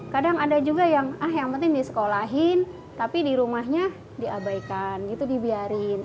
kadang ada juga yang ah yang penting disekolahin tapi di rumahnya diabaikan gitu dibiarin